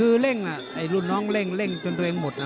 คือเร่งน่ะไอ้รุ่นน้องเร่งจนเร่งหมดน่ะ